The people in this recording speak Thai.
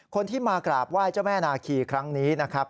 คนที่มากราบไหว้เจ้าแม่นาคีครั้งนี้นะครับ